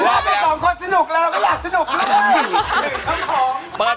เราก็ถึง๒คนสนุกเราก็อยากชื่นสนุกเลย